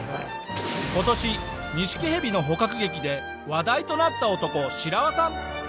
今年ニシキヘビの捕獲劇で話題となった男シラワさん。